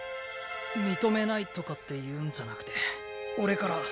認めないとかっていうんじゃなくて俺から。